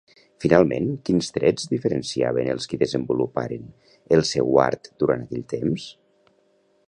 Finalment, quins trets diferenciaven els qui desenvoluparen el seu art durant aquell temps?